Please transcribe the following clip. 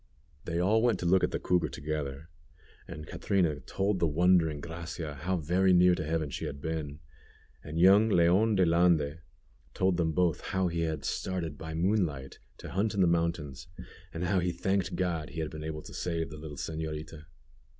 They all went to look at the cougar together, and Catrina told the wondering Gracia how very near to heaven she had been, and young Leon De Lande told them both how he had started by moonlight to hunt in the mountains, and how he thanked God he had been able to save the little señorita.